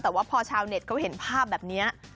แต่ว่าพอชาวเน็ตเขาเห็นภาพแบบนี้